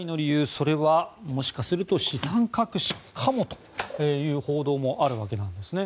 それはもしかすると資産隠しかもという報道もあるわけなんですね。